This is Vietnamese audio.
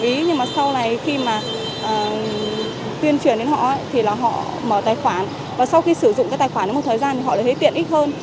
và sau khi sử dụng cái tài khoản một thời gian thì họ lại thấy tiện ít hơn